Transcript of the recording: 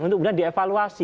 untuk benar benar dievaluasi